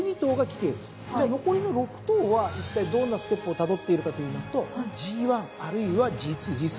じゃあ残りの６頭はいったいどんなステップをたどっているかといいますとＧⅠあるいはＧⅡＧⅢ。